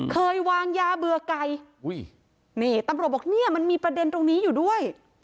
เคยวางยาเบือกไก่ตำรวจบอกมันมีประเด็นตรงนี้อยู่ด้วย